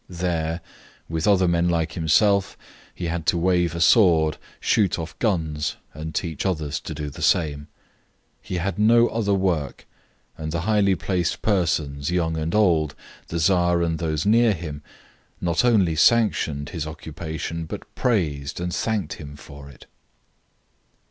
There, with other men like himself, he had to wave a sword, shoot off guns, and teach others to do the same. He had no other work, and the highly placed persons, young and old, the Tsar and those near him, not only sanctioned his occupation but praised and thanked him for it.